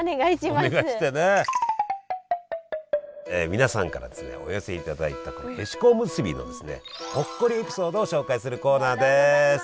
皆さんからお寄せいただいたへしこおむすびのほっこりエピソードを紹介するコーナーです！